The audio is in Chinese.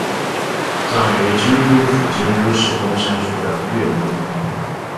葬于京都府京都市东山区的月轮陵。